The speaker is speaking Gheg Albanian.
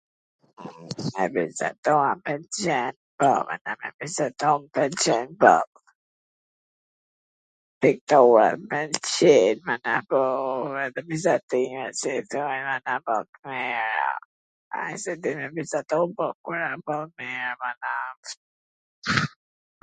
me vizatu m pwlqen po, mana, me vizatu m pwlqen, po, piktura m pwlqen, mana, po, e vizatimi si i thojn, mana, ... na bo t mira ... ai si di me vizatu, por kur e bon mir mana...